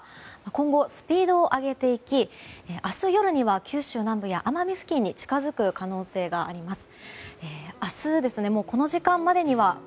今後、スピードを上げていき明日夜には九州南部や奄美付近に近づく可能性があります。